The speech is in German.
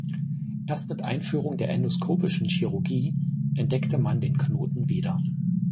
Erst mit Einführung der endoskopischen Chirurgie entdeckte man den Knoten wieder.